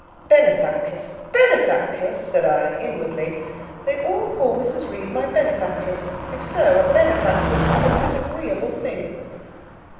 "Benefactress! benefactress!" said I inwardly: "they all call Mrs. Reed my benefactress; if so, a benefactress is a disagreeable thing."